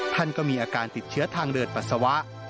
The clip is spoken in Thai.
ท่านก็มีอาการติดเชื้อทางเดินปัสสาวะ